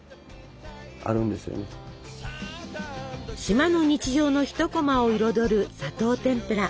島の日常の一こまを彩る砂糖てんぷら。